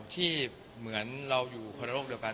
ที่เหมือนเราอยู่คนละโลกเดียวกัน